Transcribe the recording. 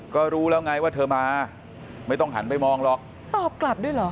ก็รู้แล้วไงว่าเธอมาไม่ต้องหันไปมองหรอกตอบกลับด้วยเหรอ